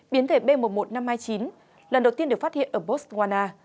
biến thể b một một năm trăm hai mươi chín lần đầu tiên được phát hiện ở botswana